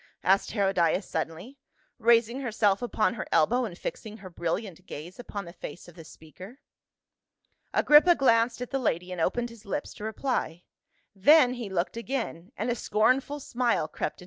asked Herodias suddenly, raising herself upon her elbow and fixing her brilliant gaze upon the face of the speaker. Agrippa glanced at the lady and opened his lips to reply, then he looked again, and a scornful smile crept HERODIAS.